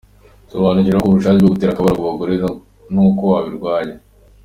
Sobanukirwa no kubura ubushake bwo gutera akabariro ku bagore nuko wabirwanya.